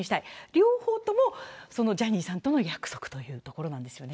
両方とも、ジャニーさんとの約束そうなんですよ。